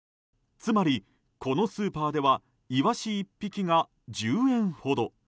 つまり、このスーパーではイワシ１匹が１０円ほど。